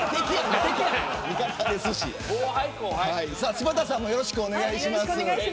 柴田さんもよろしくお願いします。